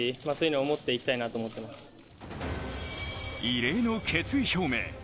異例の決意表明。